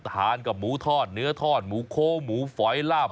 ทานกับหมูทอดเนื้อทอดหมูโค้หมูฝอยลาบ